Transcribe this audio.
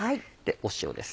塩です。